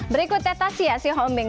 berikutnya tasya sihombing